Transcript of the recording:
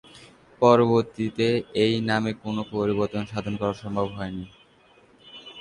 পরবর্তিতে এই নামের কোন পরিবর্তন সাধন করা সম্ভব হয়নি।